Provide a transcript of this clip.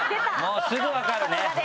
すぐ分かるね。